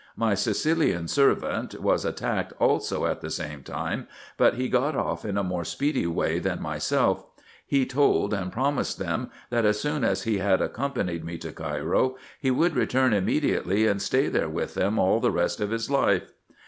My Sicilian servant was attacked also at the same time, but he got off in a more speedy way than myself: he told and promised them, that as soon as he had accom panied me to Cairo, he would return immediately, and stay there with them all the rest of his life.